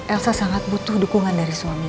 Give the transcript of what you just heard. elsa sangat butuh dukungan dari suami